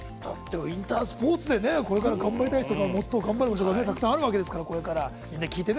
ウインタースポーツでこれから頑張りたい人が頑張る場所がたくさんあるわけですから。